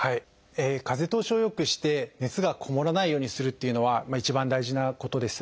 風通しをよくして熱がこもらないようにするというのは一番大事なことです。